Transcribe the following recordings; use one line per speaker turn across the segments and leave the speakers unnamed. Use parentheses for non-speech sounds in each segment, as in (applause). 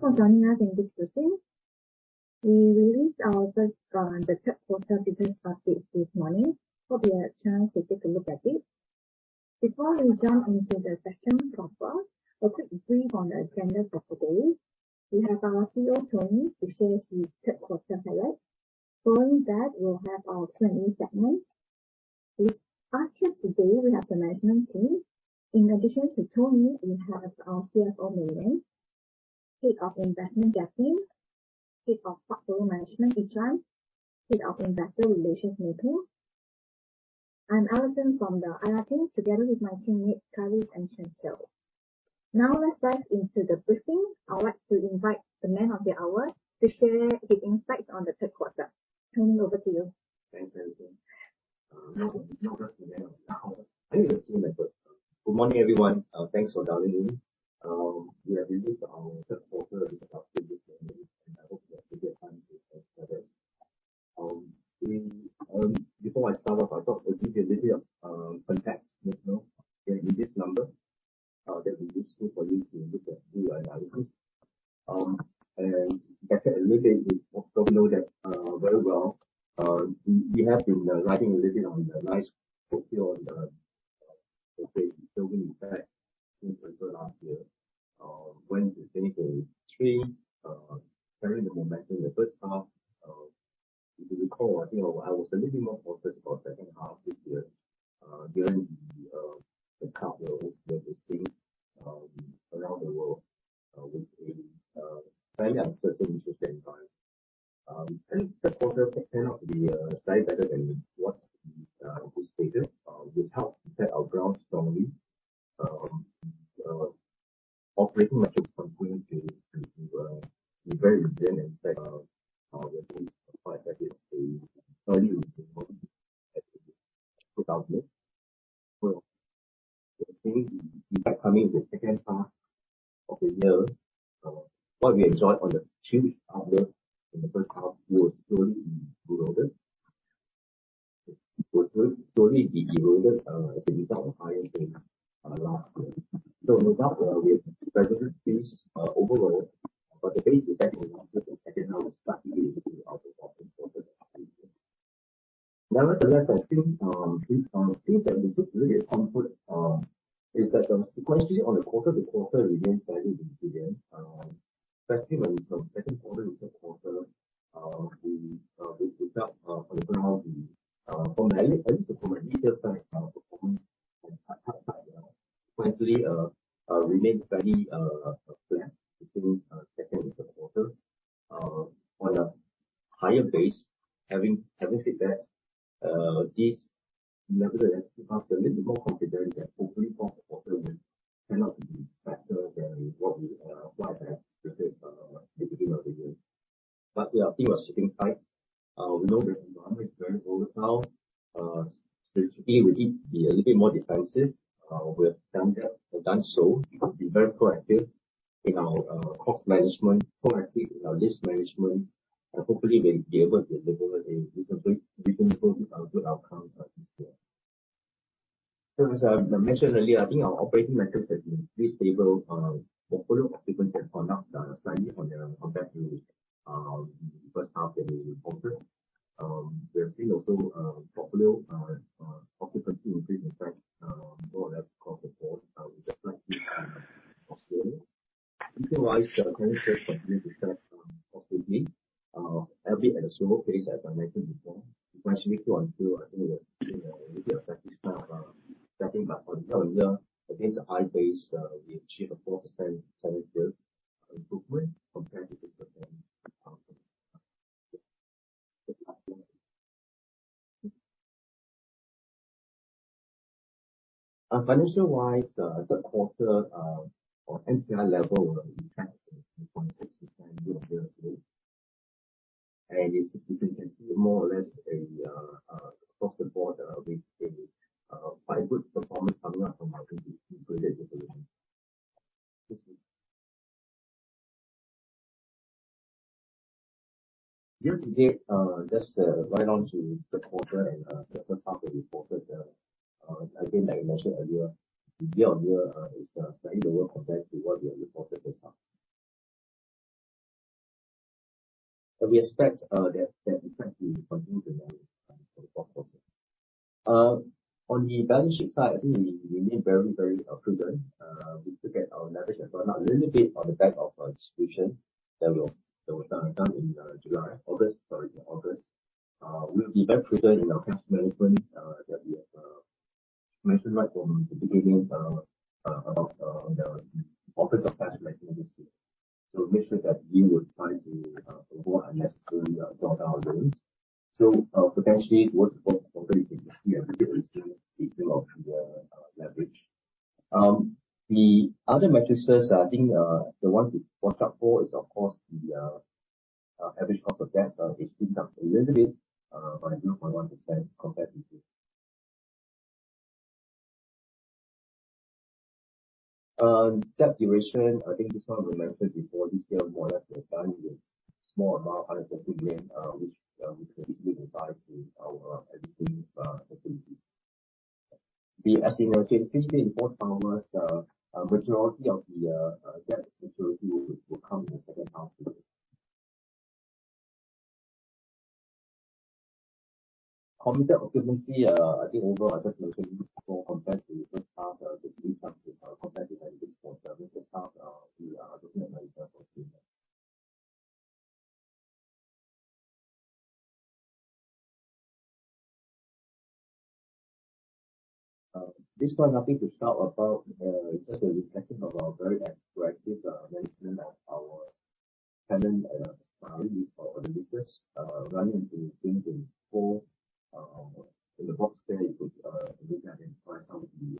Thanks for joining us in this briefing. We released our third quarter business updates this morning. Hope you had a chance to take a look at it. Before we jump into the session proper, a quick brief on the agenda for today. We have our CEO, Tony, to share the third quarter highlights. Following that, we'll have our Q&A segment. With us here today, we have the management team. In addition to Tony, we have our CFO, Wong Mei Lian, Head of Investment, Jia Ping, Head of Portfolio Management, Lee Yi Zhuan, Head of Investor Relations, Mei Peng. I'm Alison from the IR team, together with my teammates, Khalid and Chen Xiao. Let's dive into the briefing. I would like to invite the man of the hour to share his insights on the third quarter. Tony, over to you.
Thanks, Alison. Not just the man of the hour. I think it's a team effort. Good morning, everyone. Thanks for dialing in. We have released our third quarter results this morning. I hope you had plenty of time to look at them. Before I start off, I thought I'd give you a little bit of context, in this number, that will be useful for you to look at through your analysis. Back a little bit, you also know that very well, we have been riding a little bit on the nice coattails of the reopening effect since the third last year, when we finished a stream, carrying the momentum in the first half. If you recall, I was a little bit more focused for the second half this year during the outlook that we've seen around the world with a fairly uncertain interest rate environment. I think the quarter turned out to be slightly better than what we stated, which helped set our ground strongly. Operating metrics continued to be very resilient, in fact, I would say quite effective, a early return to normalcy as in 2019. I think the impact coming in the second half of the year, what we enjoyed on the two week outlook in the first half will slowly be eroded as a result of higher base last year. No doubt we have resilient streams overall, the base effect in the second half will start to even out the performance for certain countries. Nevertheless, I think things that we could really take comfort is that the sequentially on the quarter to quarter remains fairly resilient, especially when we compare second quarter to third quarter, with the help, at least from a details side, our performance from China sequentially remains fairly flat between second and third quarter. On a higher base, having said that, this nevertheless gives us a little bit more confidence that hopefully fourth quarter will turn out to be better than what I have stated at the beginning of the year. Our team are sitting tight. We know that the environment is very volatile. Strategically, we need to be a little bit more defensive. We have done so. We've been very proactive in our cost management, proactive in our lease management. Hopefully, we'll be able to deliver a reasonably good outcome this year. As I mentioned earlier, I think our operating metrics have been pretty stable. Portfolio occupancy has gone up slightly on a compact view first half that we reported. We have seen also portfolio occupancy increase more or less across the board, with a slight dip in Australia. Rental growth continues to track positively, albeit at a slower pace as I mentioned before. Eventually, Q on Q, I think we are seeing a little bit of that disconnect. For the year, against the high base, we achieved a 4% tenant mix improvement compared to 6% last year. Financial-wise, third quarter for NPI level, we had a 3.6% year-on-year growth. You can see more or less across the board with a quite good performance coming up from our integrated facilities. Year to date, just right on to third quarter and the first half we reported, again, like I mentioned earlier, year-on-year is slightly lower compared to what we have reported this half. We expect that effect to continue to run for the fourth quarter. On the balance sheet side, I think we remain very prudent. We took at our leverage as well, not a little bit on the back of our distribution that was done in August. We'll be very prudent in our cash management, as I mentioned right from the beginning about the importance of cash management this year. Make sure that we would try to avoid unnecessary drawdown loans. Potentially, towards the fourth quarter, you can see a little bit easing of the leverage. The other metrics first, I think, the one to watch out for is, of course, the average cost of debt, it's been up a little bit by 2.1% compared to Q2. Debt duration, I think this one we mentioned before, this year more or less we are done with small amount of refinancing, which we can easily entice in our existing facilities. As in 2023, four quarters, the majority of the debt maturity will come in the second half of the year. Committed occupancy, I think overall, as I mentioned before, compared to first half, we are looking at very fair for the year. This one, nothing to shout about. It's just a reflection of our very proactive management of our tenant mix for the business. Running into things in four. In the box there, you could look at and find some of the key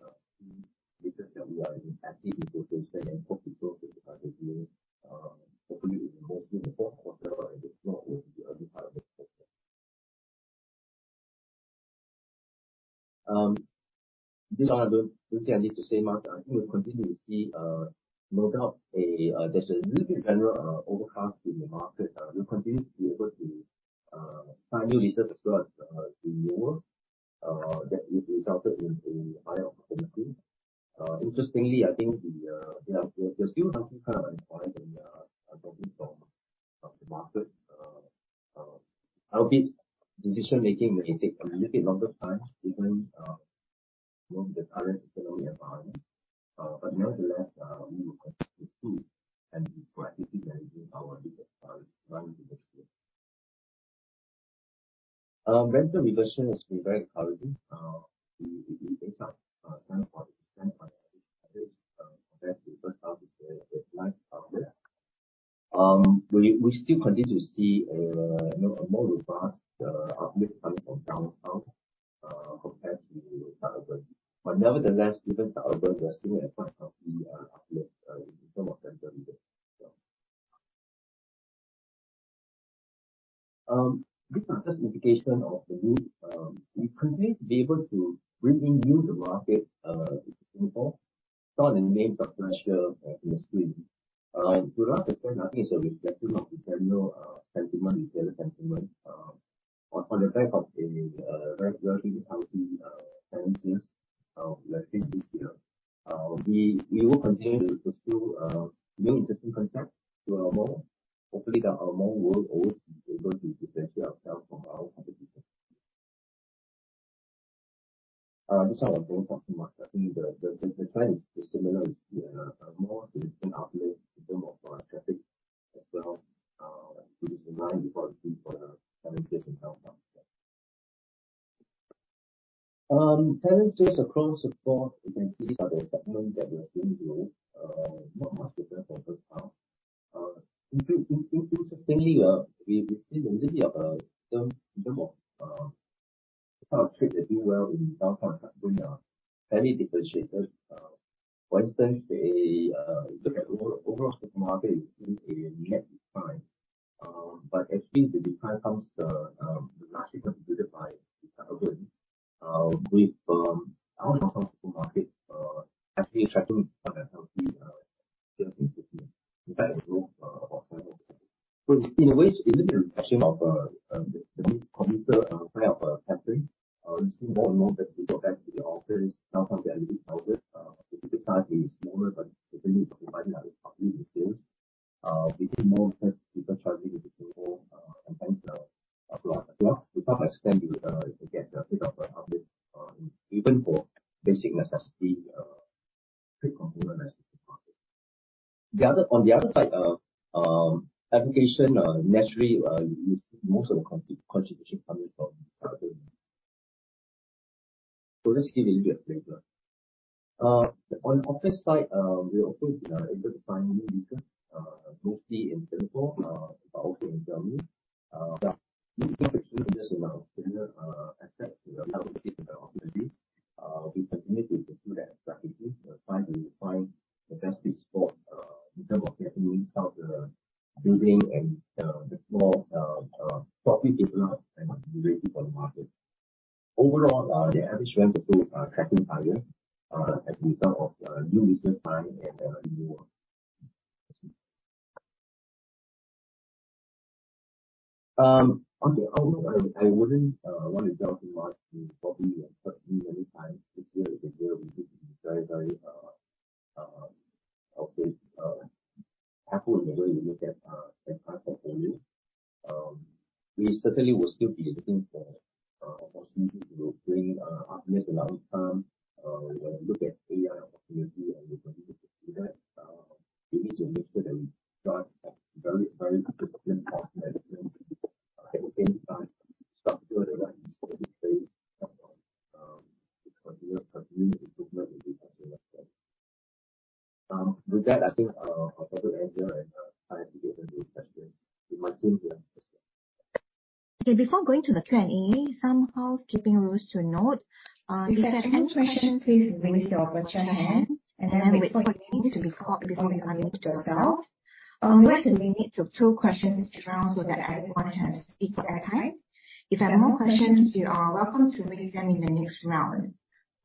leases that we are in active negotiation and hope to close it either during hopefully in the first quarter, or if not, early part of next quarter. This one, I don't think I need to say much. I think we'll continue to see, no doubt, there's a little bit general overcast in the market. We'll continue to be able to sign new leases as well as renewal, that resulted in a higher occupancy. Interestingly, I think we are still hunting kind of an employer when we are talking from the market. Albeit decision-making may take a little bit longer time given the current economic environment. Nonetheless, we will continue to be proactively managing our leases running into next year. Rental reversion has been very encouraging. It makes up 7.8% on average compared to first half this year where it lies below that. We still continue to see a more robust uplift coming from downtown compared to suburban. Nevertheless, even suburban, we are seeing a quite healthy uplift in terms of rental reversion as well. These are just indication of the new. We continue to be able to bring in new to market into Singapore. Some of the names are flashed here on the screen. To a large extent, I think it's a reflection of the general retailer sentiment. On the back of a very healthy tenant mix we are seeing this year. We will continue to pursue new interesting concepts to our mall. Hopefully, our mall will always be able to differentiate ourselves from our competition. This one I won't talk too much. I think the trend is similar, we see a more significant uplift in terms of traffic as well, which is in line with what we see for the tenant mix in downtown. Tenant mix across the board, you can see these are the segments that we are seeing growth, not much different from first half. Interestingly, we've seen a little bit of a trend in terms of the kind of trade that do well in downtown and suburban are fairly differentiated. For instance, if you look at overall supermarket, you've seen a net decline. But actually, the decline comes largely contributed by the suburban with our downtown supermarket actually tracking a healthy 15%. In fact, it grew about 7%. So in a way, it is a reflection of the commuter trend of capturing. We're seeing more and more people go back to the office, downtown is a little bit crowded. The ticket size is smaller, but certainly it's providing a healthy boost in sales. We see more office people traveling into Singapore and hence, to some extent, you can get the feel of a crowded, even for basic necessity, quick consumer necessity products. On the other side, aggregation, naturally, you see most of the contribution coming from suburban. Just to give you a flavor. On the office side, we've also been able to sign new leases, mostly in Singapore, but also in Germany. But these are actually just in our general assets, not located in our properties. We continue to pursue that proactively. We're trying to find the best fit spot in terms of getting the most out of the building and the floor, property owner and the annuity for the market. Overall, the average rent also is tracking higher as a result of new leases signed and renewal. On the outlook, I wouldn't want to delve too much into property uncertainty anytime. This year is a year we need to be very, how to say, careful when we look at our performance. We certainly will still be looking for opportunities to bring uplift to downtown. When we look at AEI opportunity and we continue to do that, we need to make sure that we drive a very, very consistent cost management to ensure that we stay on top of the continuous improvement in the cost management. With that, I'll probably end here and happily open to any questions. You might seem to have questions.
Okay, before going to the Q&A, some housekeeping rules to note. If you have any questions, please raise your virtual hand and then wait for your name to be called before unmuting yourself. Limit to two questions each round so that everyone can speak for airtime. If you have more questions, you are welcome to raise them in the next round.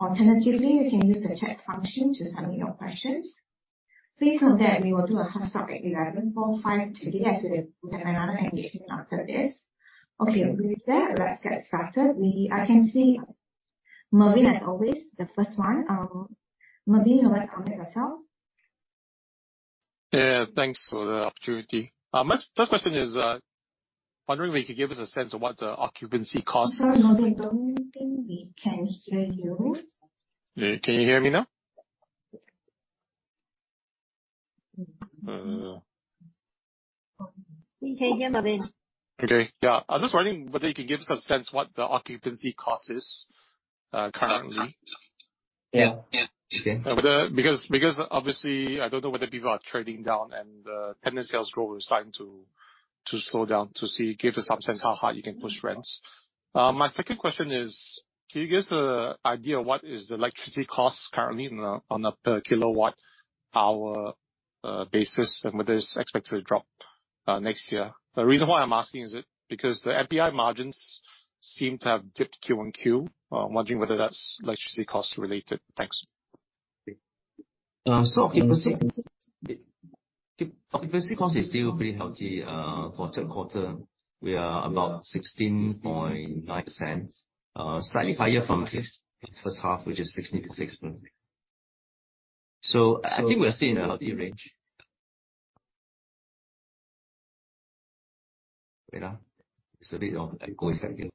Alternatively, you can use the chat function to submit your questions. Please note that we will do a hard stop at 11:45 today as we have another engagement after this. Okay, with that, let's get started. I can see Mervin, as always, the first one. Mervin, you may unmute yourself.
Yeah, thanks for the opportunity. First question is, wondering if you could give us a sense of what the occupancy cost-
Sorry, Mervin, don't think we can hear you.
Can you hear me now?
We can hear, Mervin.
Okay. Yeah. I was just wondering whether you could give us a sense what the occupancy cost is currently.
Yeah.
Obviously, I don't know whether people are trading down and the tenant sales growth is starting to slow down, to see, give us some sense how high you can push rents. My second question is, can you give us an idea what is the electricity cost currently on a per kilowatt hour basis, and whether it's expected to drop next year? The reason why I'm asking is because the NPI margins seem to have dipped Q and Q. I'm wondering whether that's electricity cost related. Thanks.
Occupancy cost is still pretty healthy. For third quarter, we are about 16.9%, slightly higher from first half, which is 16.6%. I think we are still in a healthy range. Wait. It's a bit echoey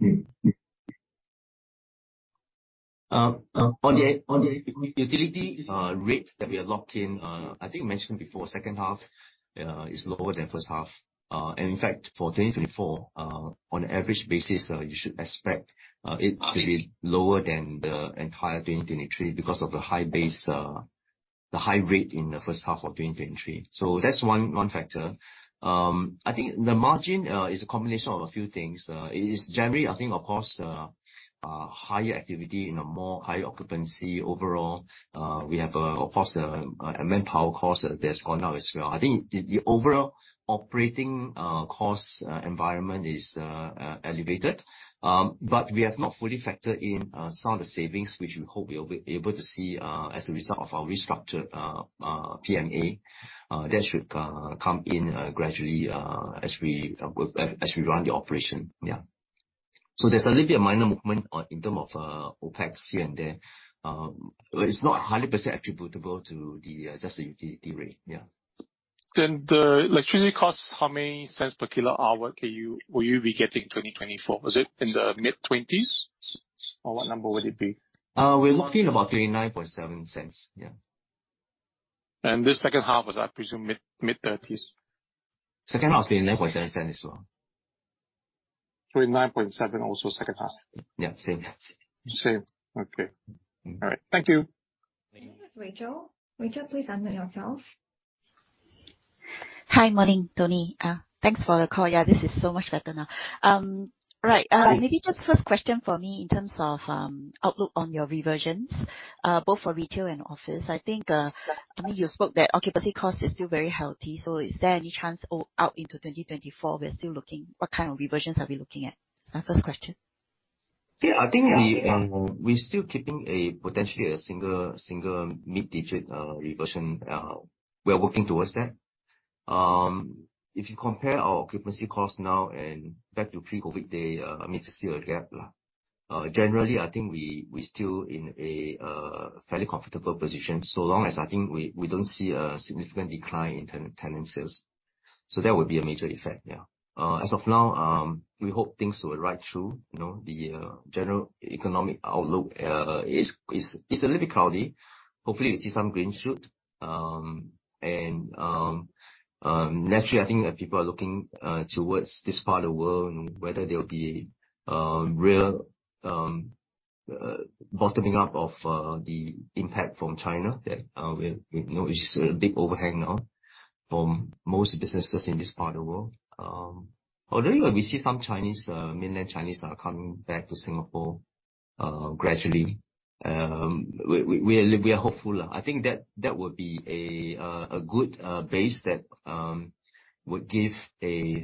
here. On the utility rate that we are locked in, I think I mentioned before, second half is lower than first half. In fact, for 2024, on an average basis, you should expect it to be lower than the entire 2023 because of the high base, the high rate in the first half of 2023. That's one factor. I think the margin is a combination of a few things. It is generally, I think, of course, higher activity in a more high occupancy overall. We have, of course, a manpower cost that has gone up as well. I think the overall operating cost environment is elevated. We have not fully factored in some of the savings, which we hope we will be able to see as a result of our restructured PMA. That should come in gradually as we run the operation. Yeah. There's a little bit of minor movement in term of OPEX here and there. It's not 100% attributable to just the utility rate. Yeah.
The electricity cost, how many cents per kilowatt hour will you be getting in 2024? Is it in the mid-twenties? What number would it be?
We're locked in about 0.397. Yeah.
This second half is, I presume, mid-thirties.
Second half 0.397 as well.
0.397 also second half?
Yeah, same.
Same. Okay. All right. Thank you.
Next Rachel. Rachel, please unmute yourself.
Hi. Morning, Tony. Thanks for the call. Yeah, this is so much better now. Right. Maybe just first question for me in terms of outlook on your reversions, both for retail and office. I think, Tony, you spoke that occupancy cost is still very healthy. Is there any chance out into 2024 we're still looking, what kind of reversions are we looking at? That's my first question.
Yeah, I think we're still keeping a potentially single mid-digit reversion. We are working towards that. If you compare our occupancy cost now and back to pre-COVID day, I mean, there's still a gap. Generally, I think we're still in a fairly comfortable position, so long as, I think, we don't see a significant decline in tenant sales. That would be a major effect. Yeah. As of now, we hope things will ride through. The general economic outlook is a little bit cloudy. Hopefully, we see some green shoot. Naturally, I think that people are looking towards this part of the world and whether there will be real bottoming up of the impact from China, which is a big overhang now from most businesses in this part of the world. Although we see some mainland Chinese are coming back to Singapore gradually. We are hopeful. I think that would be a good base that would give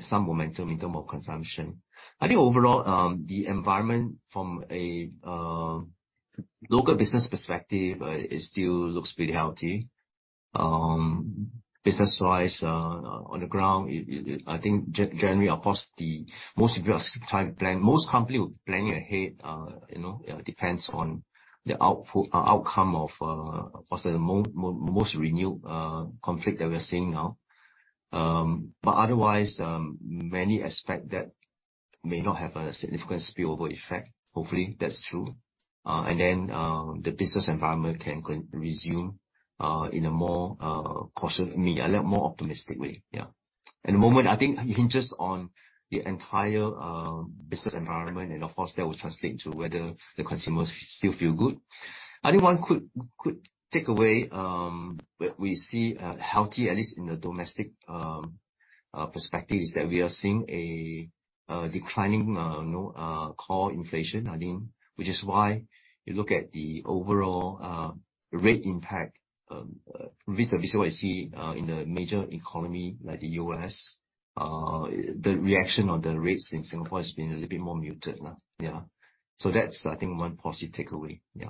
some momentum in term of consumption. I think overall, the environment from a local business perspective, it still looks pretty healthy. Business-wise, on the ground, I think generally, of course, most companies will be planning ahead, depends on the outcome of course, the most renewed conflict that we are seeing now. Otherwise, many expect that may not have a significant spillover effect. Hopefully that's true. Then the business environment can resume in a more cautious, maybe a lot more optimistic way. Yeah. At the moment, I think it hinges on the entire business environment and of course, that will translate into whether the consumers still feel good. I think one quick takeaway we see healthy, at least in the domestic perspective, is that we are seeing a declining core inflation, I think, which is why you look at the overall rate impact vis-à-vis what you see in a major economy like the U.S. The reaction on the rates in Singapore has been a little bit more muted. That's, I think, one positive takeaway. We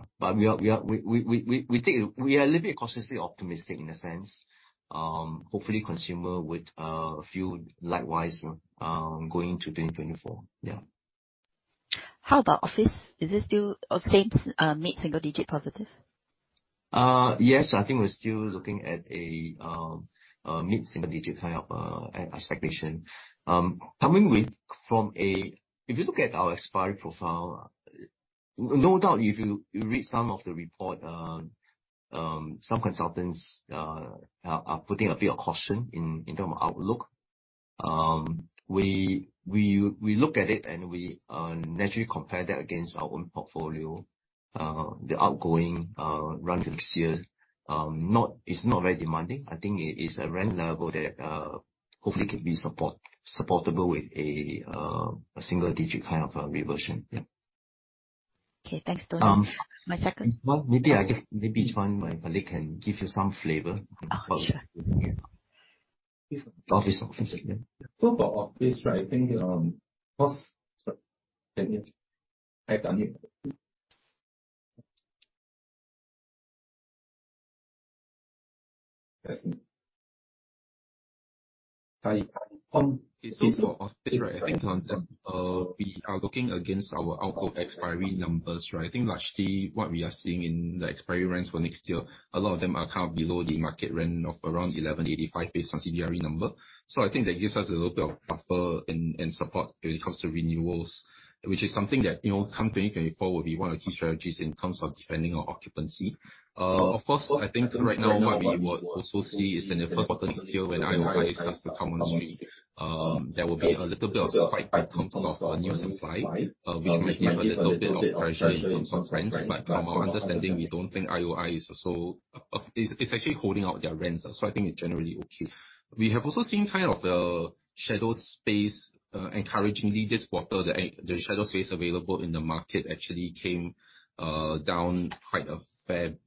are a little bit cautiously optimistic in a sense. Hopefully, consumer with a few likewise going into 2024.
How about office? Is it still the same mid-single-digit positive?
Yes. I think we're still looking at a mid-single-digit kind of expectation. If you look at our expiry profile, no doubt, if you read some of the report, some consultants are putting a bit of caution in terms of outlook. We look at it, and we naturally compare that against our own portfolio, the outgoing rent this year. It's not very demanding. I think it is a rent level that hopefully could be supportable with a single-digit kind of reversion.
Okay. Thanks, Tony. My second.
Well, maybe Chuan, my colleague, can give you some flavor.
Oh, sure.
Yeah. Office.
For office, I think, Sorry. Sorry. For office, I think we are looking against our outgo expiry numbers. I think largely what we are seeing in the expiry rents for next year, a lot of them are below the market rent of around 11.85 based on CBRE number. I think that gives us a little bit of buffer and support when it comes to renewals, which is something that, come 2024, will be one of the key strategies in terms of defending our occupancy. Of course, I think right now what we would also see is in the first quarter next year when IOI starts to come on stream. There will be a little bit of fight in terms of new supply which might give a little bit of pressure in terms of rents. From our understanding, we don't think IOI is actually holding out their rents. I think it's generally okay. We have also seen shadow space. Encouragingly, this quarter, the shadow space available in the market actually came down quite a fair bit,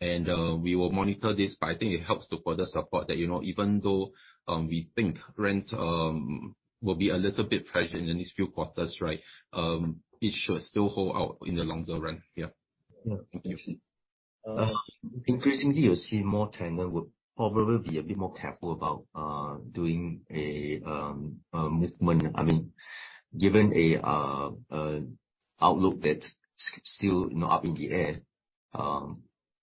and we will monitor this. I think it helps to further support that even though we think rent will be a little bit pressured in the next few quarters. It should still hold out in the longer run. Yeah.
Yeah. Increasingly, you'll see more tenant would probably be a bit more careful about doing a movement. Given an outlook that's still up in the air.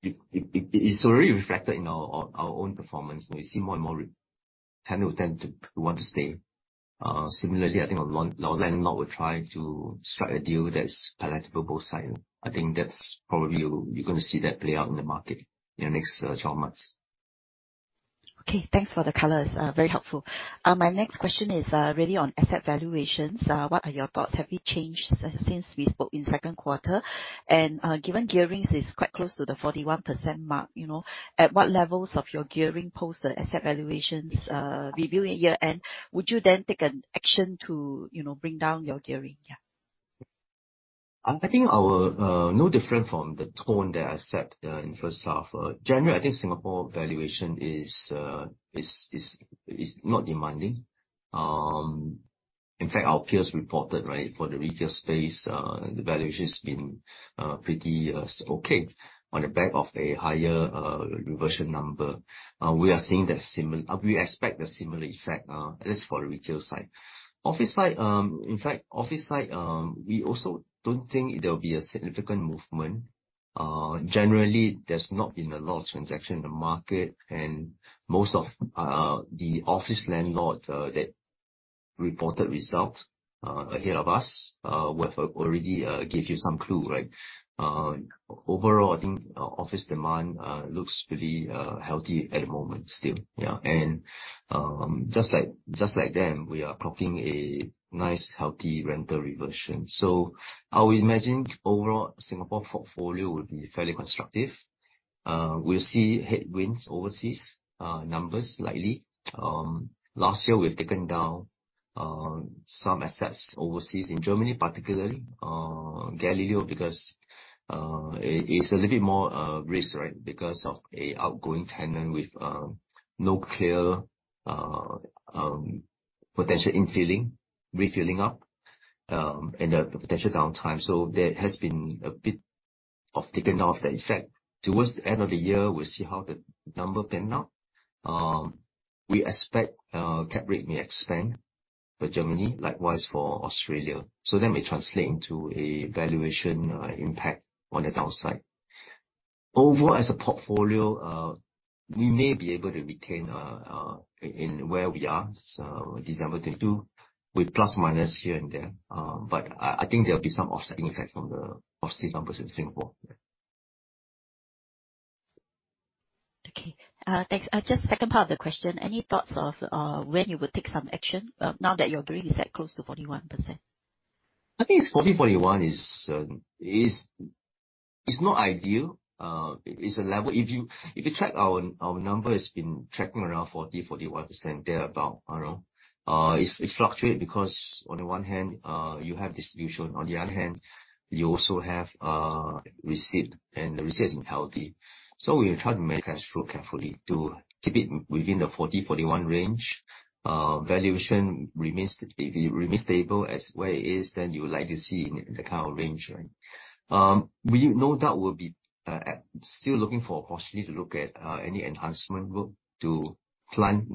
It's already reflected in our own performance. We see more and more tenant will tend to want to stay. Similarly, I think our landlord will try to strike a deal that's palatable both sides. I think that's probably you're gonna see that play out in the market in the next 12 months.
Okay. Thanks for the colors. Very helpful. My next question is really on asset valuations. What are your thoughts? Have you changed since we spoke in second quarter? Given gearings is quite close to the 41% mark, at what levels of your gearing post the asset valuations review in year-end, would you then take an action to bring down your gearing? Yeah.
I think our, no different from the tone that I set in the first half. Generally, I think Singapore valuation is not demanding. In fact, our peers reported for the retail space, the valuation's been pretty okay on the back of a higher reversion number. We expect a similar effect, at least for the retail side. Office side, we also don't think there will be a significant movement. Generally, there's not been a lot of transaction in the market, and most of the office landlord that reported results ahead of us would've already gave you some clue. Overall, I think office demand looks pretty healthy at the moment still. Yeah. Just like them, we are clocking a nice, healthy rental reversion. I would imagine overall Singapore portfolio would be fairly constructive. We'll see headwinds overseas numbers slightly. Last year, we've taken down some assets overseas in Germany, particularly Gallileo, because it's a little bit more risk because of an outgoing tenant with no clear potential infilling, refilling up, and the potential downtime. There has been a bit of taken off that effect. Towards the end of the year, we'll see how the number pan out. We expect cap rate may expand for Germany, likewise for Australia. That may translate into a valuation impact on the downside. Overall, as a portfolio, we may be able to retain in where we are, December 2022, with plus/minus here and there. I think there'll be some offsetting effect from the office numbers in Singapore. Yeah.
Okay. Thanks. Just second part of the question, any thoughts of when you would take some action now that your gearing is at close to 41%?
I think 40%, 41% is not ideal. If you track our number has been tracking around 40%, 41% thereabout. It fluctuate because on the one hand, you have distribution. On the other hand, you also have receipt, and the receipt isn't healthy. We try to manage cash flow carefully to keep it within the 40%/41% range. Valuation remains stable as where it is, then you would like to see the kind of range, right? We know that we'll be still looking for opportunity to look at any enhancement work to plan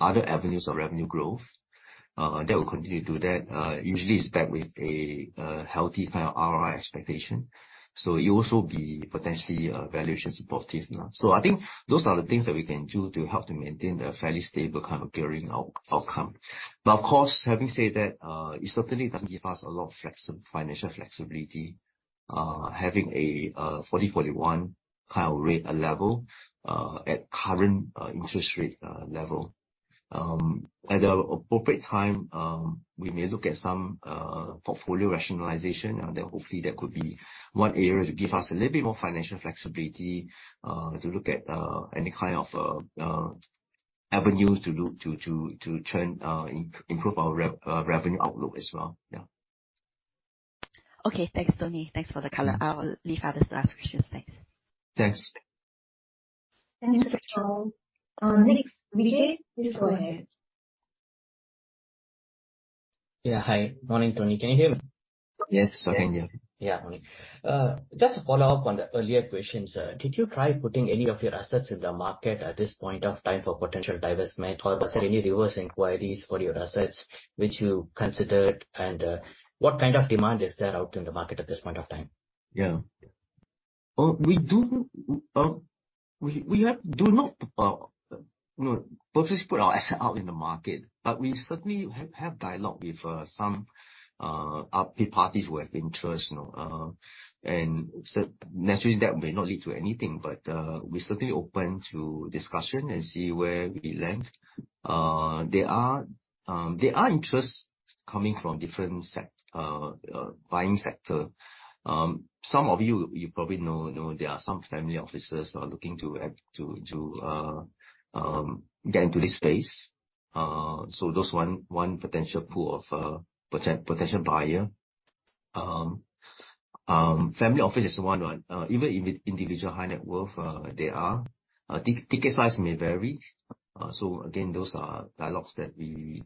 other avenues of revenue growth. That we'll continue to do that. Usually, it's backed with a healthy kind of ROI expectation. It will also be potentially valuation supportive. I think those are the things that we can do to help to maintain the fairly stable kind of gearing outcome. Of course, having said that, it certainly doesn't give us a lot of financial flexibility, having a 40%/41% kind of rate level at current interest rate level. At the appropriate time, we may look at some portfolio rationalization. Hopefully that could be one area to give us a little bit more financial flexibility to look at any kind of avenues to improve our revenue outlook as well. Yeah.
Okay. Thanks, Tony. Thanks for the color. I'll leave others to ask questions. Thanks.
Thanks.
Thank you, Rachel. Vijay, please go ahead.
Yeah, hi. Morning, Tony. Can you hear me?
Yes. I can hear.
Yeah. Morning. Just to follow up on the earlier questions. Did you try putting any of your assets in the market at this point of time for potential divestment? Was there any reverse inquiries for your assets which you considered? What kind of demand is there out in the market at this point of time?
Yeah. We do not purposely put our asset out in the market. We certainly have dialogue with some third parties who have interest. Naturally, that may not lead to anything, but we're certainly open to discussion and see where we land. There are interests coming from different buying sector. Some of you probably know, there are some family offices are looking to get into this space. Those one potential pool of potential buyer. Family office is one. Even individual high net worth, there are. Ticket size may vary. Again, those are dialogues that we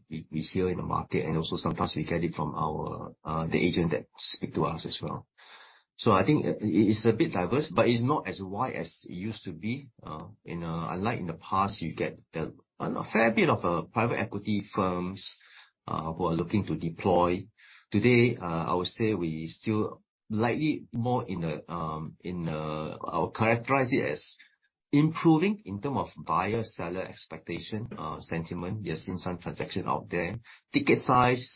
hear in the market, and also sometimes we get it from the agent that speak to us as well. I think it's a bit diverse, but it's not as wide as it used to be. Unlike in the past, you get a fair bit of private equity firms who are looking to deploy. Today, I would say we still likely more I would characterize it as improving in term of buyer-seller expectation, sentiment. We have seen some transaction out there. Ticket size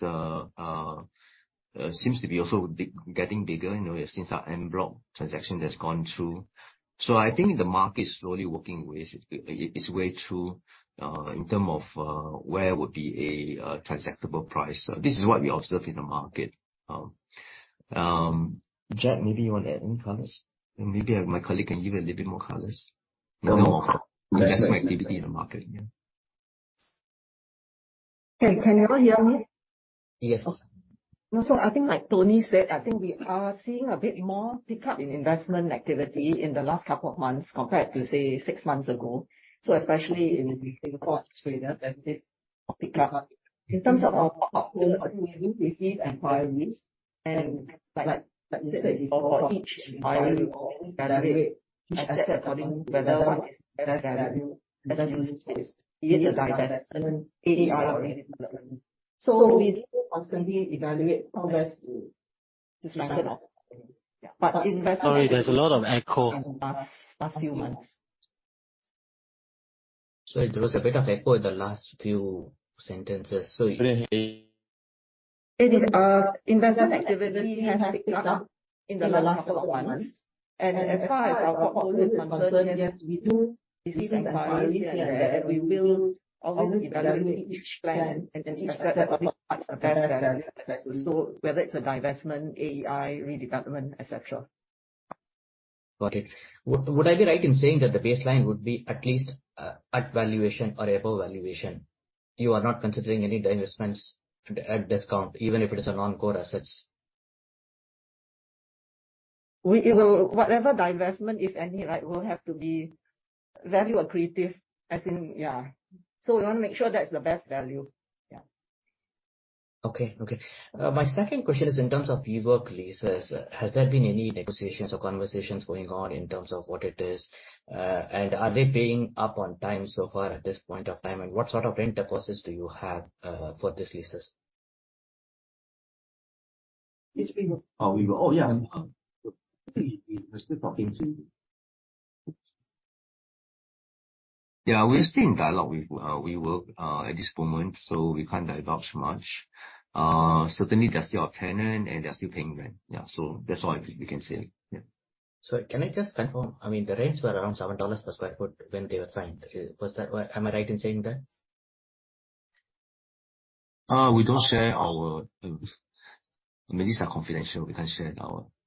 seems to be also getting bigger since our en bloc transaction that's gone through. I think the market is slowly working its way through in term of where would be a transactable price. This is what we observe in the market. Jacqueline, maybe you want to add any colors? Maybe my colleague can give a little bit more colors. Invest activity in the market. Yeah.
Can you all hear me?
Yes.
I think like Tony said, I think we are seeing a bit more pickup in investment activity in the last couple of months compared to, say, six months ago. Especially in the Singapore and Australia that we've picked up. In terms of our portfolio, I think we do receive inquiries. Like we said before, each inquiry, we always evaluate each asset according to whether what is the best value, best use case. Be it a divestment, AEI or redevelopment. We do constantly evaluate how best to dismantle. Yeah.
Sorry, there's a lot of echo
in the past few months.
Sorry, there was a bit of echo in the last few sentences.
It is. Investor activity has picked up in the last couple of months. As far as our portfolio is concerned, yes, we do receive inquiries and we will always evaluate each plan and then each asset according to what's the best value for that asset. Whether it's a divestment, AEI, redevelopment, et cetera.
Got it. Would I be right in saying that the baseline would be at least at valuation or above valuation? You are not considering any divestments at discount, even if it is a non-core assets?
Whatever divestment, if any, will have to be value accretive. We want to make sure that's the best value. Yeah.
Okay. My second question is in terms of WeWork leases, has there been any negotiations or conversations going on in terms of what it is? Are they paying up on time so far at this point of time? What sort of rent clauses do you have for these leases?
(inaudible) We're still in dialogue with We Work at this moment. We can't divulge much. Certainly, they're still our tenant, and they're still paying rent. That's all we can say.
Can I just confirm, I mean, the rents were around 7 dollars per square foot when they were signed. Am I right in saying that?
Many are confidential. We can't share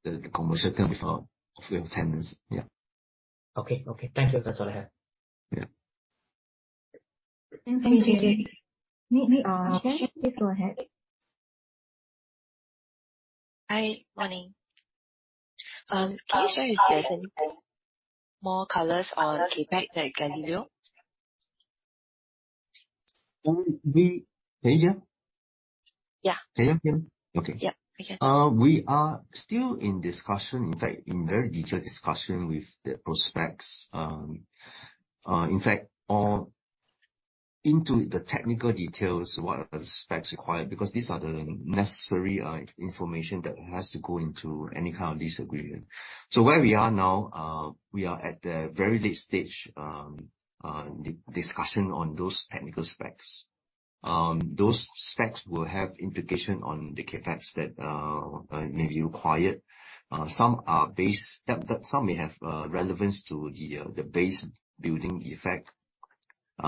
the commercial term with our tenants.
Okay. Thank you. That's all I have.
Yeah.
Thank you, JJ. May I, Shane? Please go ahead.
Hi. Morning. Can you show us more colors on CapEx that you can reveal?
Can you hear?
Yeah.
Can you hear me? Okay.
Yeah, I can.
We are still in discussion. In fact, in very detailed discussion with the prospects. In fact, all into the technical details, what are the specs required, because these are the necessary information that has to go into any kind of lease agreement. Where we are now, we are at the very late stage, discussion on those technical specs. Those specs will have implication on the CapEx that may be required. Some may have relevance to the base building effect.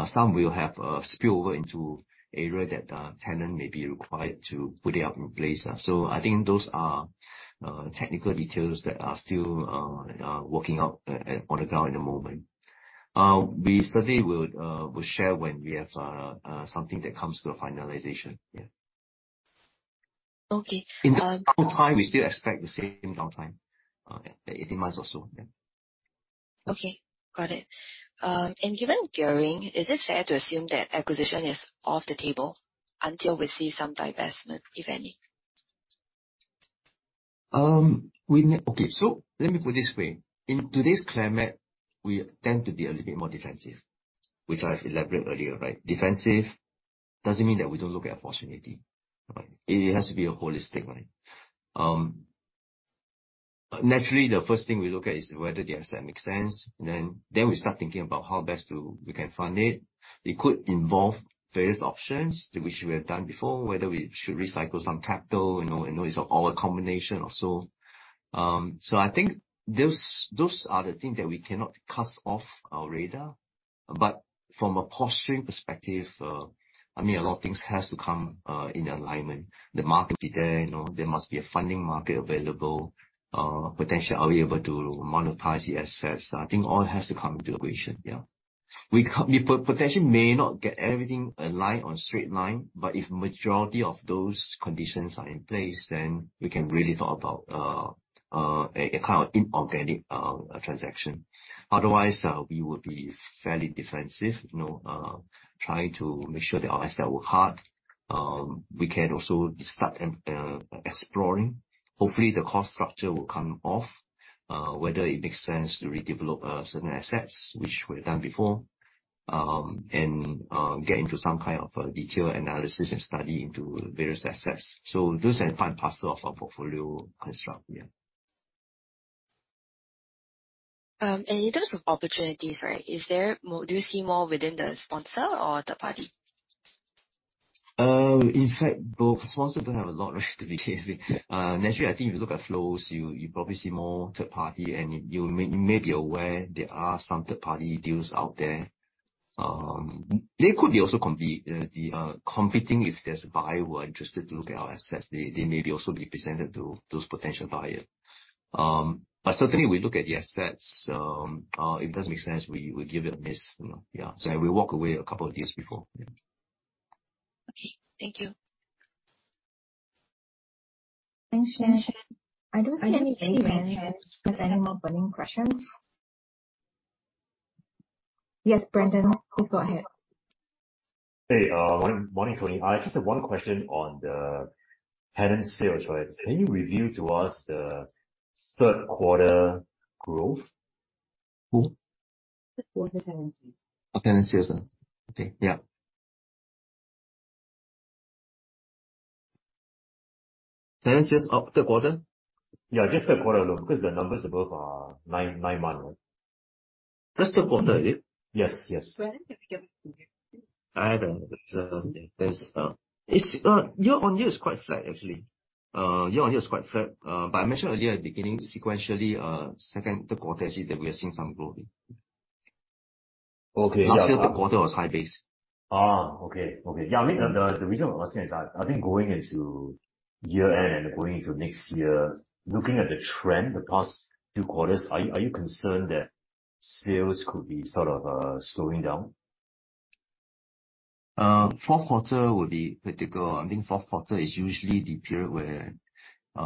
Some will have a spillover into an area that the tenant may be required to put up in place. I think those are technical details that are still working out on the ground at the moment. We certainly will share when we have something that comes to a finalization. Yeah.
Okay.
In the downtime, we still expect the same downtime, 18 months or so. Yeah.
Okay. Got it. Given gearing, is it fair to assume that acquisition is off the table until we see some divestment, if any?
Let me put it this way. In today's climate, we tend to be a little bit more defensive, which I've elaborated earlier, right. Defensive doesn't mean that we don't look at opportunity. Right. It has to be holistic. Naturally, the first thing we look at is whether the asset makes sense, then we start thinking about how best we can fund it. It could involve various options, which we have done before, whether we should recycle some capital. It's all a combination of some. I think those are the things that we cannot cast off our radar. From a posturing perspective, a lot of things have to come in alignment. The market be there must be a funding market available. Potentially, are we able to monetize the assets? I think all has to come into the equation. Yeah. We potentially may not get everything aligned on straight line, but if the majority of those conditions are in place, then we can really thought about a kind of inorganic transaction. Otherwise, we will be fairly defensive, trying to make sure that our assets work hard. We can also start exploring. Hopefully, the cost structure will come off, whether it makes sense to redevelop certain assets, which we've done before, and get into some kind of detailed analysis and study into various assets. Those are an important part of our portfolio construct. Yeah.
In terms of opportunities, do you see more within the sponsor or third party?
In fact, both sponsors don't have a lot to be here. Naturally, I think if you look at flows, you probably see more third party, and you may be aware there are some third party deals out there. They could be also competing if there's a buyer who are interested to look at our assets, they may be also represented to those potential buyer. Certainly, we look at the assets. If it doesn't make sense, we give it a miss. Yeah. We walk away a couple of deals before.
Okay. Thank you.
Thanks, Shane. I don't see any hands with any more burning questions. Yes, Brandon, please go ahead.
Hey, morning to you. I just have one question on the tenant sales. Can you reveal to us the third quarter growth?
Who?
The quarter tenant sales.
Oh, tenant sales. Okay. Yeah. Tenant sales of the quarter?
Yeah, just the quarter alone, the numbers above are nine months.
Just the quarter, is it?
Yes.
Brandon, can we get the figure?
I don't have it. Year-on-year is quite flat, actually. Year-on-year is quite flat. I mentioned earlier at the beginning, sequentially, second quarter actually that we are seeing some growth.
Okay.
Last year, the quarter was high base.
Okay. The reason I'm asking is, I think going into year-end and going into next year, looking at the trend the past two quarters, are you concerned that sales could be sort of slowing down?
Fourth quarter would be critical. I think fourth quarter is usually the period where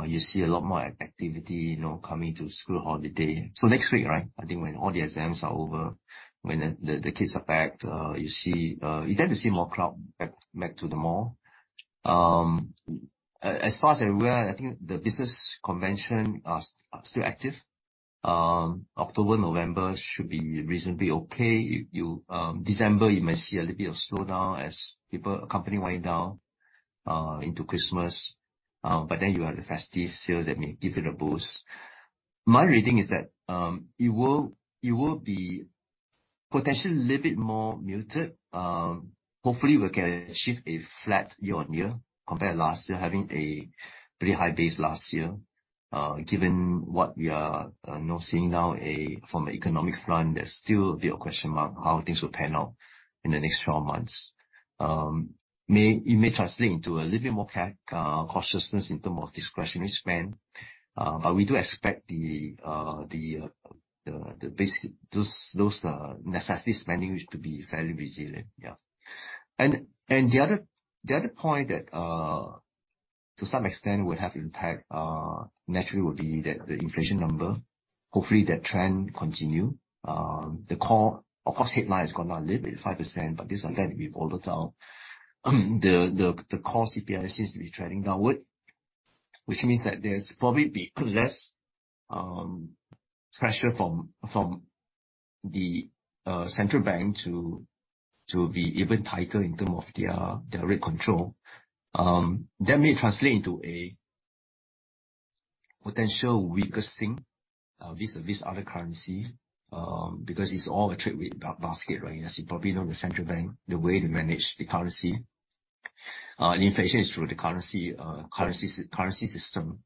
you see a lot more activity coming to school holiday. Next week, I think when all the exams are over, when the kids are back, you tend to see more crowd back to the mall. As far as I'm aware, I think the business convention are still active. October, November should be reasonably okay. December, you may see a little bit of slowdown as people are company winding down into Christmas. You have the festive sales that may give it a boost. My reading is that it will be potentially a little bit more muted. Hopefully, we can shift a flat year-on-year compared to last year, having a pretty high base last year. Given what we are seeing now from an economic front, there's still a bit of question mark how things will pan out in the next 12 months. It may translate into a little bit more cost consciousness in terms of discretionary spend. We do expect those necessity spendings to be fairly resilient. Yeah. The other point that to some extent will have impact naturally would be the inflation number. Hopefully that trend continue. Of course, headline is going down a little bit, 5%, but this will tend to be volatile. The core CPI seems to be trending downward, which means that there's probably be less pressure from the central bank to be even tighter in terms of their rate control. That may translate into a potential weaker SGD vis-a-vis other currency, because it's all a trade basket, right? As you probably know, the central bank, the way they manage the currency, the inflation is through the currency system.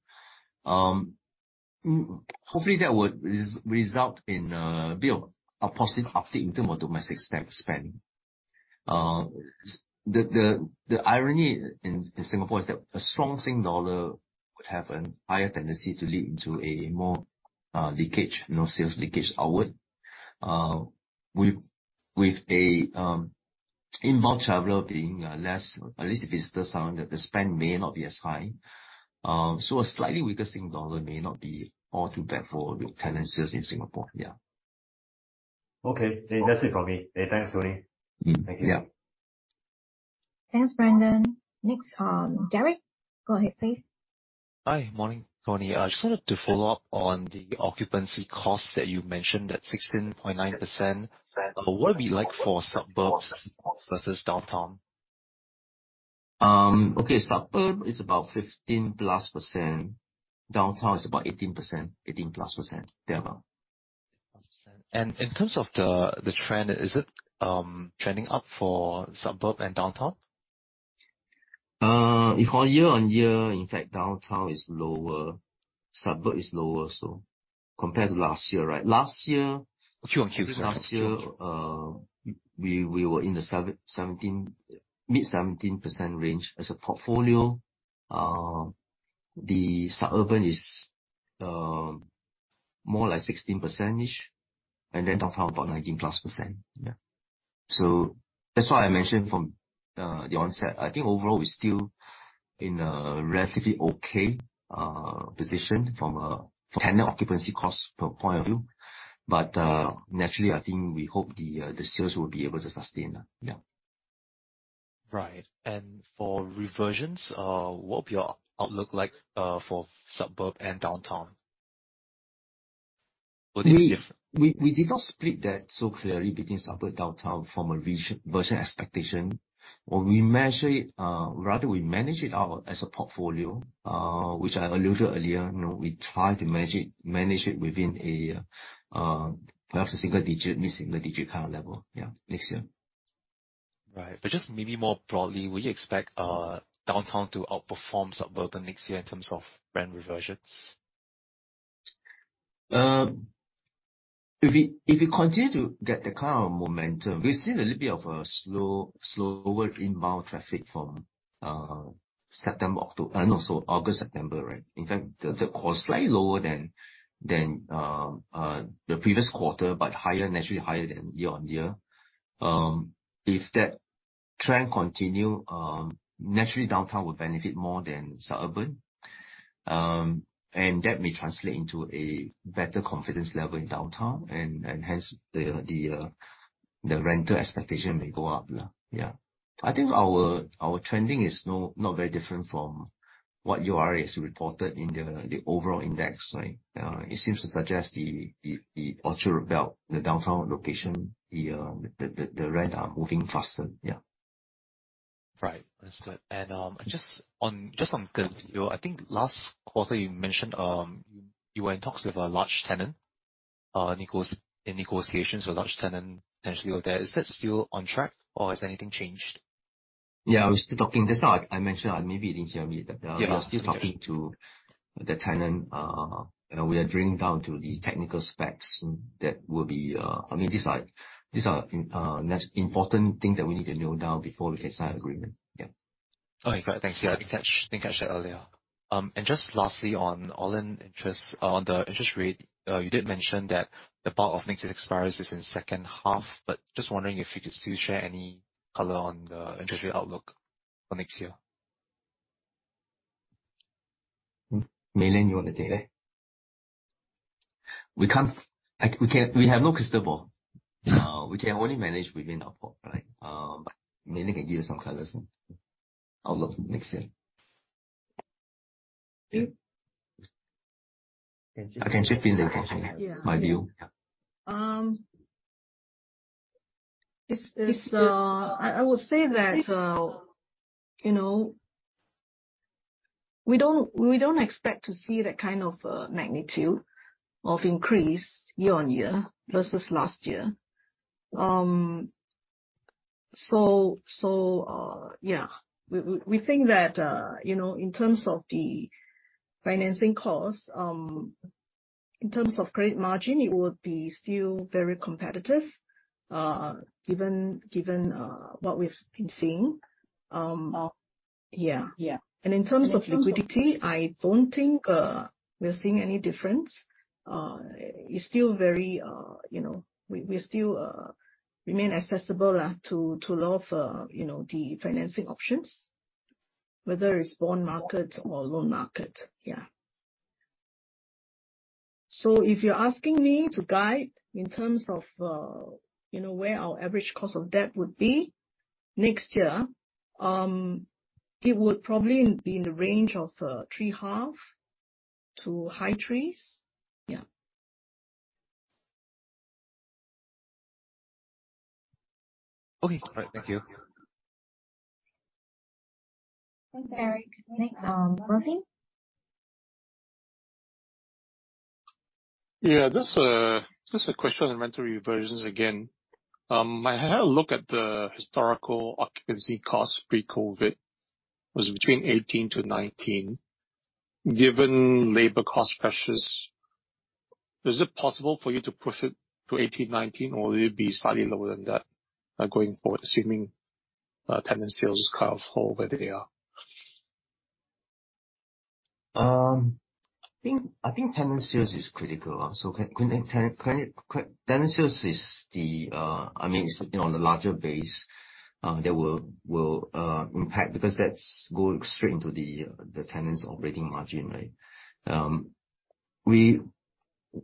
Hopefully, that will result in a bit of a positive uptake in terms of domestic staff spending. The irony in Singapore is that a strong SGD dollar would have an higher tendency to lead into a more leakage, sales leakage outward. With inbound traveler being less, at least visitor spend may not be as high. A slightly weaker SGD dollar may not be all too bad for the tenant sales in Singapore. Yeah.
Okay. That's it from me. Thanks, Tony.
Yeah.
Thanks, Brandon. Next, Gary, go ahead please.
Hi. Morning, Tony. Just wanted to follow up on the occupancy costs that you mentioned, that 16.9%. What would it be like for suburbs versus downtown?
Okay. Suburb is about 15+%. Downtown is about 18+%. Yeah.
In terms of the trend, is it trending up for suburb and downtown?
For year-on-year, in fact, downtown is lower, suburb is lower also compared to last year, right?
Q-on-Q
Last year, we were in the mid 17% range as a portfolio. The suburban is more like 16%, and then downtown about 19-plus%. Yeah. That's why I mentioned from the onset, I think overall we're still in a relatively okay position from a tenant occupancy cost point of view. Naturally, I think we hope the sales will be able to sustain. Yeah.
Right. For reversions, what would be your outlook like for suburb and downtown?
We did not split that so clearly between suburb, downtown from a reversion expectation. Rather, we manage it out as a portfolio, which I alluded earlier. We try to manage it within a perhaps mid-single-digit kind of level next year.
Right. Just maybe more broadly, would you expect downtown to outperform suburban next year in terms of rent reversions?
If we continue to get that kind of momentum, we've seen a little bit of a slower inbound traffic from August, September, right? In fact, slightly lower than the previous quarter, but naturally higher than year on year. If that trend continue, naturally downtown will benefit more than suburban. That may translate into a better confidence level in downtown. Hence, the rental expectation may go up. Yeah. I think our trending is not very different from what URA has reported in the overall index, right? It seems to suggest the Orchard belt, the downtown location, the rent are moving faster. Yeah.
Right. Understood. Just on the video, I think last quarter you mentioned, you were in talks with a large tenant, in negotiations with a large tenant potentially out there. Is that still on track or has anything changed?
Yeah, we're still talking. That's why I mentioned, maybe you didn't hear me.
Yeah
We're still talking to the tenant. We are drilling down to the technical specs. These are important things that we need to know now before we can sign agreement. Yeah.
Okay, great. Thanks. Yeah. Didn't catch that earlier. Just lastly, on all-in interest, on the interest rate, you did mention that the bulk of next year expires is in second half. Just wondering if you could still share any color on the interest rate outlook for next year.
Mei Lian, you want to take that? We have no crystal ball.
Yeah.
We can only manage within our pool, right? Mei Lian can give you some colors, outlook next year.
Sure.
I can chip in.
Yeah
my view. Yeah.
I would say that we don't expect to see that kind of magnitude of increase year-on-year versus last year. Yeah. We think that, in terms of the financing cost-In terms of credit margin, it will be still very competitive given what we've been seeing.
Wow.
Yeah.
Yeah.
In terms of liquidity, I don't think we're seeing any difference. We still remain accessible to a lot of the financing options, whether it's bond market or loan market. Yeah. If you're asking me to guide in terms of where our average cost of debt would be next year, it would probably be in the range of three half to high threes. Yeah.
Okay. All right. Thank you.
Thanks, Eric. Next, Mervin.
Yeah. Just a question on rental reversions again. I had a look at the historical occupancy cost pre-COVID was between 18%-19%. Given labor cost pressures, is it possible for you to push it to 18%-19%, or will it be slightly lower than that going forward, assuming tenant sales is kind of where they are?
I think tenant sales is critical. Tenant sales is on the larger base that will impact because that's going straight into the tenant's operating margin, right?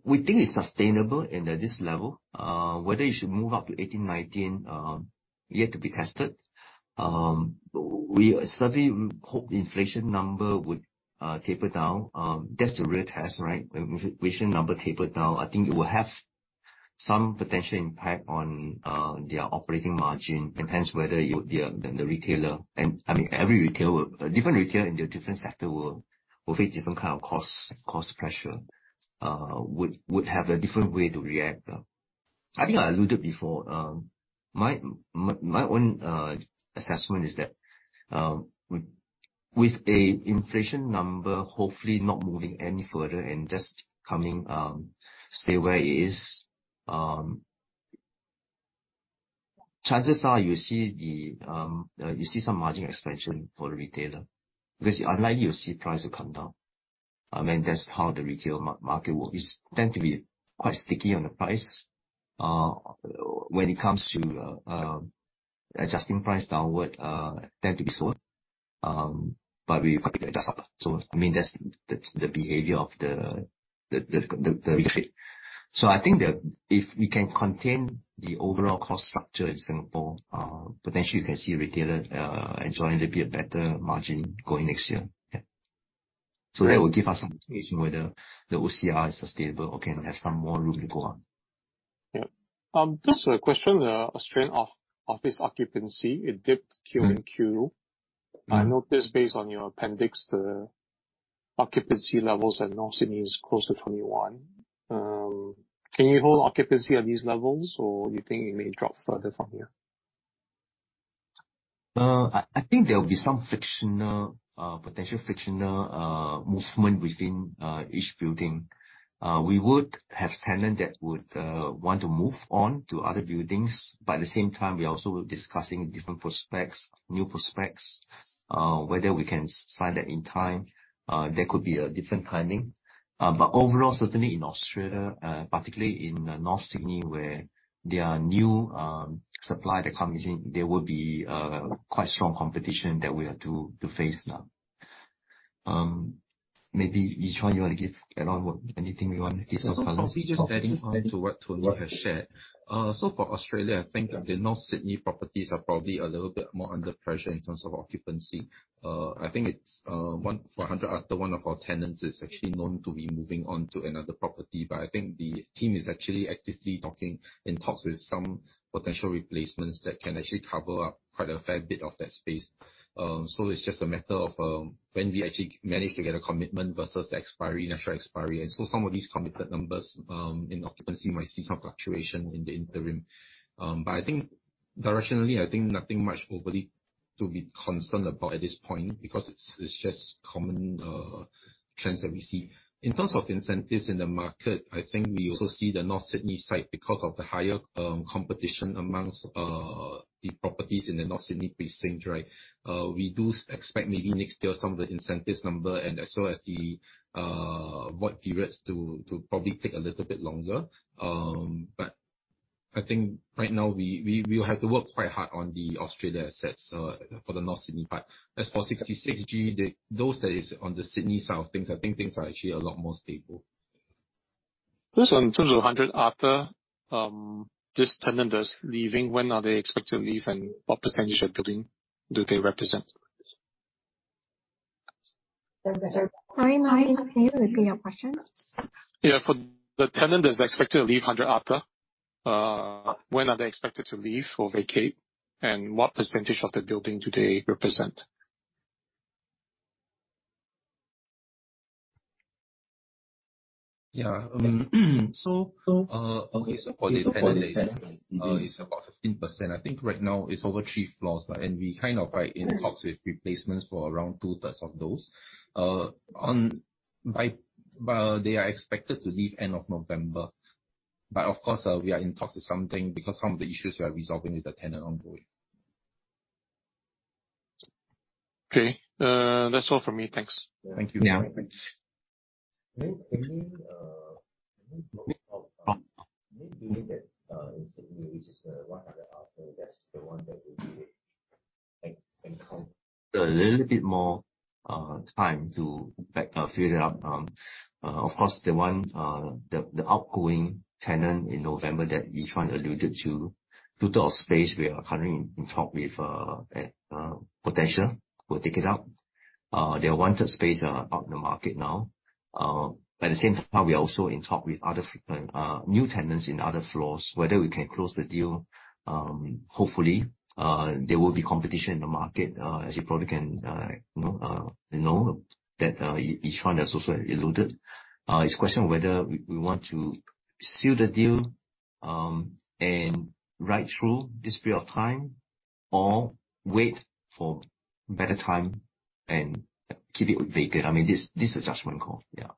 We think it's sustainable and at this level. Whether it should move up to 18%-19%, yet to be tested. We certainly hope inflation number would taper down. That's the real test, right? Inflation number taper down, I think it will have some potential impact on their operating margin and hence whether the retailer, and every retailer, different retailer in the different sector will face different kind of cost pressure, would have a different way to react. I think I alluded before, my own assessment is that with a inflation number, hopefully not moving any further and just coming stay where it is, chances are you see some margin expansion for the retailer. Unlikely you'll see price will come down. That's how the retail market works, is tend to be quite sticky on the price. When it comes to adjusting price downward, tend to be slower. We up. That's the behavior of the retail. I think that if we can contain the overall cost structure in Singapore, potentially you can see retailer enjoying a bit better margin going next year. Yeah. That will give us some information whether the OCR is sustainable or can have some more room to go on.
Yep. Just a question, Australian office occupancy, it dipped Q and Q.I noticed based on your appendix, the occupancy levels at North Sydney is close to 21%. Can you hold occupancy at these levels or you think it may drop further from here?
I think there will be some potential frictional movement within each building. We would have tenant that would want to move on to other buildings, at the same time we also were discussing different prospects, new prospects, whether we can sign that in time. There could be a different timing. Overall, certainly in Australia, particularly in North Sydney where there are new supply that come in, there will be quite strong competition that we have to face now. Maybe Yi Zhuan, you want to give at on what, anything you want to give some colors?
Probably just adding on to what Tony has shared. For Australia, I think the North Sydney properties are probably a little bit more under pressure in terms of occupancy. I think it is 100 Arthur, one of our tenants, is actually known to be moving on to another property. I think the team is actually actively talking, in talks with some potential replacements that can actually cover up quite a fair bit of that space. It is just a matter of when we actually manage to get a commitment versus the expiry, natural expiry. Some of these committed numbers, in occupancy might see some fluctuation in the interim. Directionally, I think nothing much overly to be concerned about at this point because it is just common trends that we see. In terms of incentives in the market, I think we also see the North Sydney site, because of the higher competition amongst the properties in the North Sydney precinct, right? We do expect maybe next year some of the incentives number and so as the void periods to probably take a little bit longer. I think right now we will have to work quite hard on the Australia assets for the North Sydney part. As for 66G, those that is on the Sydney side of things, I think things are actually a lot more stable.
Just on 100 Arthur, this tenant that is leaving, when are they expected to leave and what percentage of building do they represent?
Sorry, Murphy. Can you repeat your question?
For the tenant that's expected to leave 100 Arthur, when are they expected to leave or vacate and what percentage of the building do they represent?
Based upon the tenant lease, it's about 15%. I think right now it's over three floors, and we are in talks with replacements for around two-thirds of those. They are expected to leave end of November.
Of course, we are in talks with something, because some of the issues we are resolving with the tenant ongoing.
Okay. That's all from me. Thanks.
Thank you.
Yeah. Thanks.
Maybe we need that in Sydney, which is 100 Arthur. That's the one that we need a little bit more time to fill it up. Of course, the outgoing tenant in November that Yi-Chuan alluded to, due to our space, we are currently in talk with a potential who will take it up. Their wanted space are out in the market now. At the same time, we are also in talk with other new tenants in other floors, whether we can close the deal. Hopefully, there will be competition in the market, as you probably know, that Yi-Chuan has also alluded. It's a question of whether we want to seal the deal and ride through this period of time or wait for better time and keep it vacant. This is a judgment call. Yeah.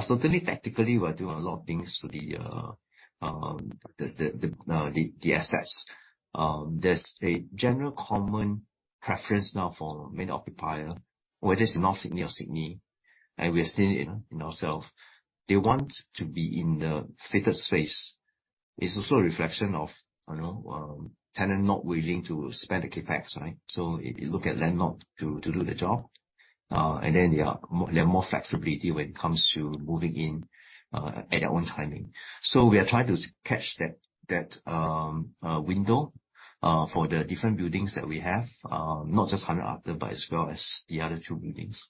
Certainly tactically, we are doing a lot of things to the assets. There's a general common preference now for main occupier, whether it's in North Sydney or Sydney. We are seeing it in ourself, they want to be in the fitted space. It's also a reflection of tenant not willing to spend the CapEx, right? They look at landlord to do the job. Then there are more flexibility when it comes to moving in at their own timing. We are trying to catch that window for the different buildings that we have, not just 100 Arthur, but as well as the other two buildings.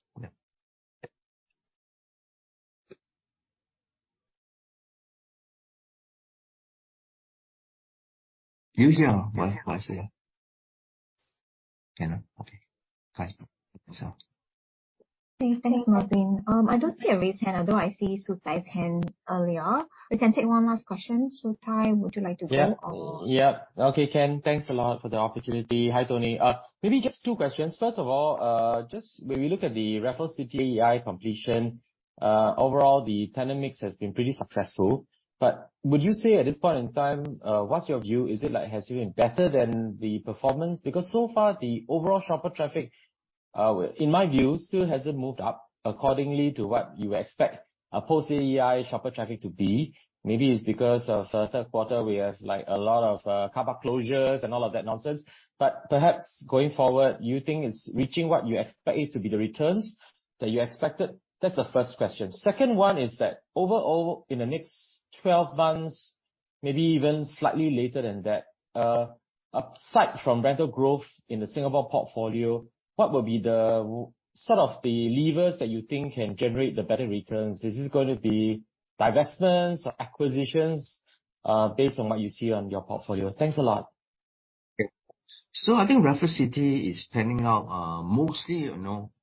Yeah. You here or Malaysia? Canada. Okay. Kai, what's up?
Thanks, Martin. I don't see a raised hand, although I see Sutai's hand earlier. We can take one last question. Sutai, would you like to go or-
Yeah. Okay, Mei. Thanks a lot for the opportunity. Hi, Tony. Maybe just two questions. First of all, just when we look at the Raffles City AEI completion, overall, the tenant mix has been pretty successful. Would you say at this point in time, what's your view? Is it like, has it been better than the performance? So far, the overall shopper traffic, in my view, still hasn't moved up accordingly to what you expect a post-AEI shopper traffic to be. Maybe it's because of the third quarter, we have a lot of car park closures and all of that nonsense. Perhaps going forward, you think it's reaching what you expect it to be the returns that you expected? That's the first question. Second one is that overall, in the next 12 months, maybe even slightly later than that, aside from rental growth in the Singapore portfolio, what would be the levers that you think can generate the better returns? Is this going to be divestments or acquisitions, based on what you see on your portfolio? Thanks a lot.
I think Raffles City is panning out mostly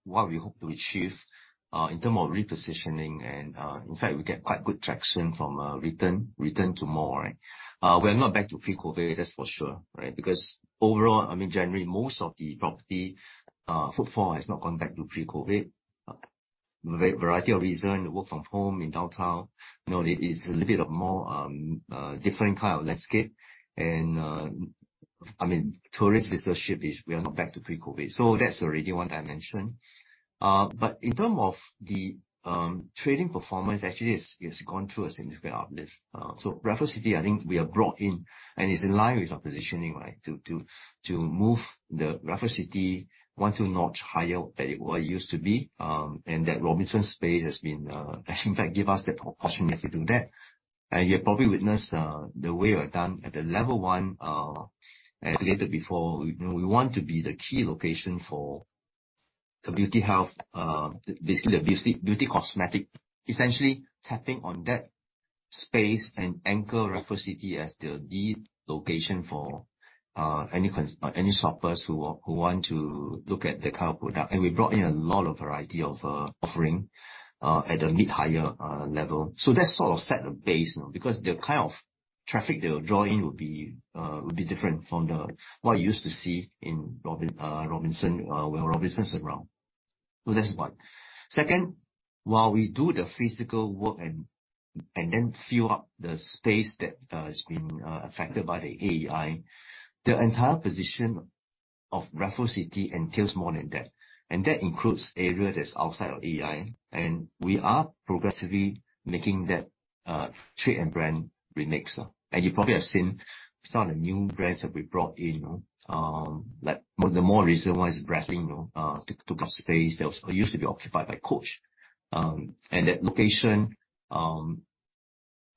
what we hope to achieve in term of repositioning. In fact, we get quite good traction from return to more. We are not back to pre-COVID, that's for sure. Overall, generally, most of the property footfall has not gone back to pre-COVID. Variety of reason, work from home in Downtown. Tourist viewership is we are not back to pre-COVID. That's already one that I mentioned. In term of the trading performance, actually, it's gone through a significant uplift. Raffles City, I think we have brought in, and it's in line with our positioning, to move the Raffles City one, two notch higher than it used to be. That Robinsons space has been, in fact, give us the opportunity to do that. You have probably witnessed the way we have done at level 1. I stated before, we want to be the key location for the beauty, health, basically the beauty cosmetic. Essentially tapping on that space and anchor Raffles City as the lead location for any shoppers who want to look at that kind of product. We brought in a lot of variety of offering at a mid-higher level. That sort of set the base, because the kind of traffic they'll draw in will be different from what you used to see when Robinsons was around. That's one. Second, while we do the physical work and then fill up the space that has been affected by the AEI, the entire position of Raffles City entails more than that. That includes area that's outside of AEI. We are progressively making that trade and brand remix. You probably have seen some of the new brands that we brought in. The more recent one is Breitling, took up space that used to be occupied by Coach. That location,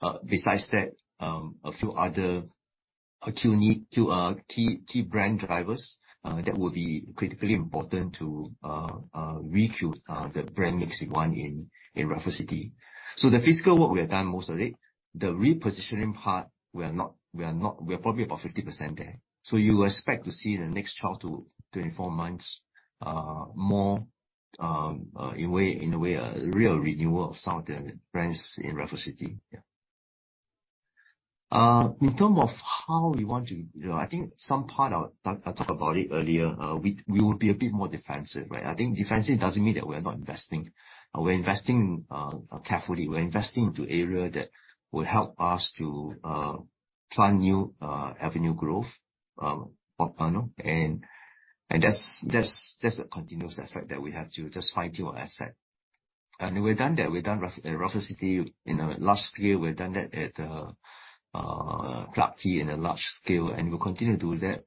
besides that, a few other key brand drivers that will be critically important to refuel the brand mix, one in Raffles City. The physical work, we have done most of it. The repositioning part, we are probably about 50% there. You expect to see the next 12 to 24 months, more in a way, a real renewal of some of the brands in Raffles City. Yeah. In term of how we want to, I think some part, I talked about it earlier, we would be a bit more defensive, right? I think defensive doesn't mean that we're not investing. We're investing carefully. We're investing into area that will help us to plan new avenue growth. That's a continuous effort that we have to just fine-tune our asset. We've done that. We've done Raffles City. Last year, we've done that at Clarke Quay in a large scale, and we'll continue to do that,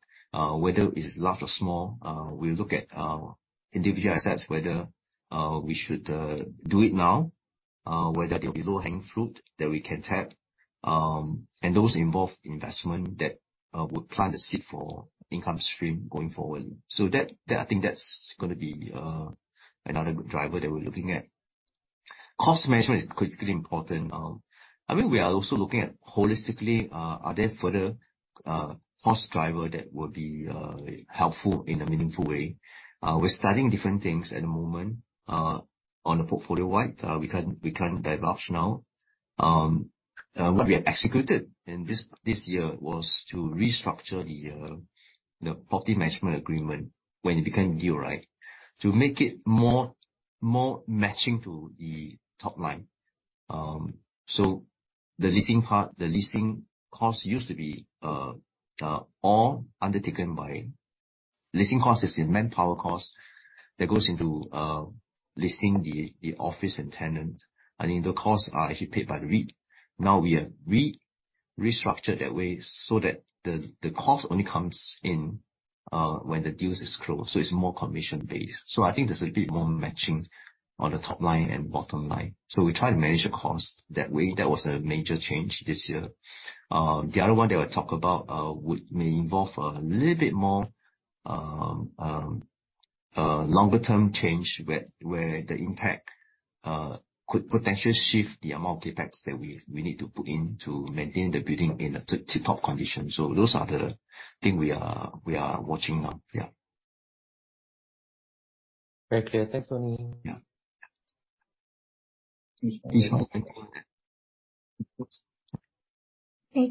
whether it is large or small. We look at our individual assets, whether we should do it now, whether there'll be low-hanging fruit that we can tap, and those involve investment that would plant a seed for income stream going forward. I think that's going to be another good driver that we're looking at. Cost management is critically important. We are also looking at holistically, are there further cost driver that will be helpful in a meaningful way? We're studying different things at the moment on a portfolio wide. We can't divulge now. What we have executed in this year was to restructure the property management agreement when it became due, to make it more matching to the top line. The leasing cost used to be all undertaken by leasing costs. It's a manpower cost that goes into leasing the office and tenant. The costs are actually paid by the REIT. Now we have restructured that way so that the cost only comes in when the deals is closed, so it's more commission-based. I think there's a bit more matching on the top line and bottom line. We try to manage the cost that way. That was a major change this year. The other one that I talk about may involve a little bit more longer-term change, where the impact could potentially shift the amount of CapEx that we need to put in to maintain the building in a tip-top condition. Those are the things we are watching now.
Very clear. Thanks, Tony.
Yeah.
Okay.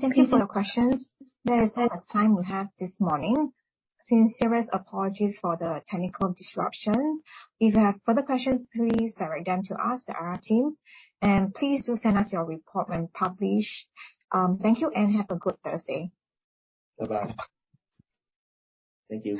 Thank you for your questions. That is all the time we have this morning. Sincere apologies for the technical disruption. If you have further questions, please direct them to us, the IR team, and please do send us your report when published. Thank you, and have a good Thursday.
Bye-bye. Thank you.